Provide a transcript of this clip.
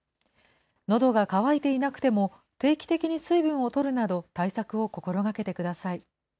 のどが渇いていなくても、定期的に水分をとるなど対策を心がけてください。